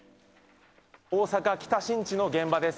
大阪・北新地の現場です。